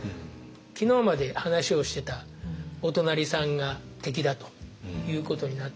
昨日まで話をしてたお隣さんが敵だということになってしまうので。